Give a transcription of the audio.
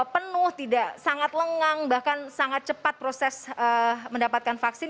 penuh tidak sangat lengang bahkan sangat cepat proses mendapatkan vaksin